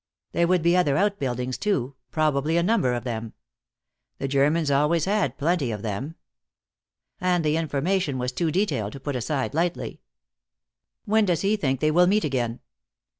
There would be other outbuildings, too, probably a number of them. The Germans always had plenty of them. And the information was too detailed to be put aside lightly. "When does he think they will meet again?"